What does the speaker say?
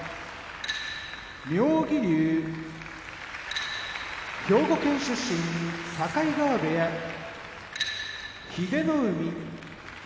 妙義龍兵庫県出身境川部屋英乃海